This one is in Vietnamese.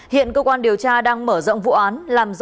hiện cơ quan điều tra đang mở rộng vụ án